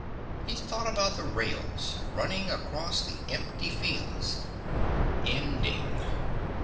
He thought about the rails, running across the empty fields, ending